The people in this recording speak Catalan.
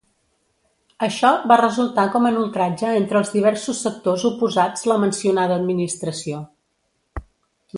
Això va resultar com en ultratge entre els diversos sectors oposats la mencionada administració.